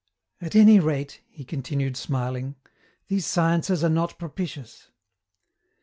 "At any rate," he continued, smiling, "these sciences are not propitious."